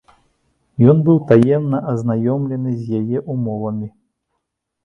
Ён быў таемна азнаёмлены з яе ўмовамі.